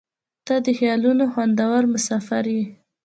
• ته د خیالونو خوندور مسافر یې.